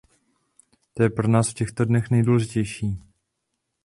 To je pro nás v těchto dnech nejdůležitější.